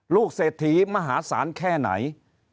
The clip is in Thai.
เศรษฐีมหาศาลแค่ไหน